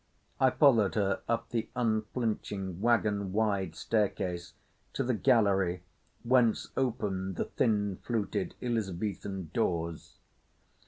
I followed her up the unflinching, wagon wide staircase to the gallery whence opened the thin fluted Elizabethan doors.